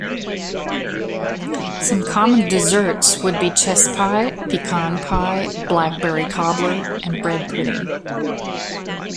Some common desserts would be chess pie, pecan pie, blackberry cobbler and bread pudding.